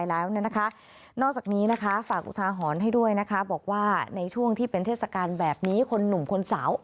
ยังอยู่ที่ข้างบ้านเหรอหวังว่าพวกเขาไม่เอา